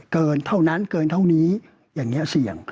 เกินเท่านั้นเกินเท่านี้อย่างนี้เสี่ยง